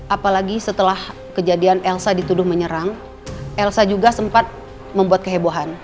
apalagi setelah kejadian elsa dituduh menyerang elsa juga sempat membuat kehebohan